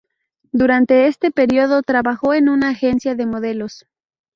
Durante este período trabajó en una agencia de modelos.